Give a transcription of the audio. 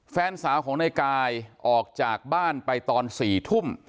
แฟนสาวของนายกายออกจากบ้านไปตอน๔ทุ่ม